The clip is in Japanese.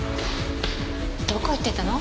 どこ行ってたの？